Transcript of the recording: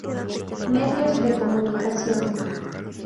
Medios de Comunicación.